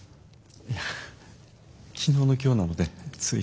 いや昨日の今日なのでつい。